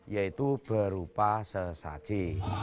yaitu berupa sesaji